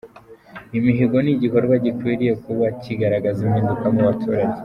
Imihigo ni igikorwa gikwiriye kuba kigaragaza impinduka ku baturage”.